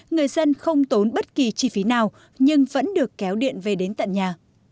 người dân không tốn bất kỳ chi phí nào nhưng vẫn được kéo điện về đến tận nhà